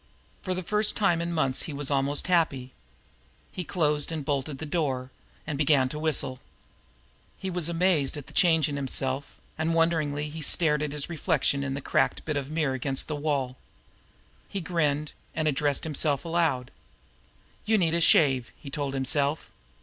For the first time in months he was almost happy. He closed and bolted the door, and began to WHISTLE. He was amazed at the change in himself, and wonderingly he stared at his reflection in the cracked bit of mirror against the wall. He grinned, and addressed himself aloud. "You need a shave," he told himself.